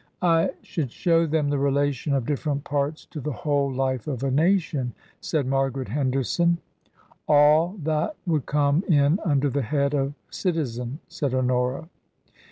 " I should show them the relation of different parts to the whole life of a nation," said Margaret Henderson. TRANSITION. 93 '* All that would come in under the head of * citizen/ * said Honora.